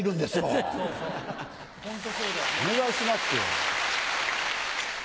お願いしますよ。